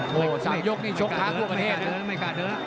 โหสามยกไม่กล้าเดิน